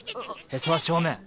へそは正面。